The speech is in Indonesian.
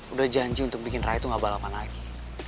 udah janji untuk bikin rai tuh gak balapan lagi